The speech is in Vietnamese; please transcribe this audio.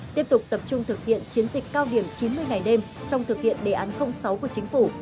tiếp tục tập trung thực hiện chiến dịch cao điểm chín mươi ngày đêm trong thực hiện đề án sáu của chính phủ